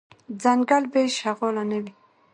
ځنګل بی شغاله نه وي .